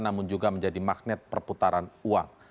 namun juga menjadi magnet perputaran uang